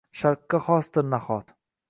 Sharqqa xosdir, nahot?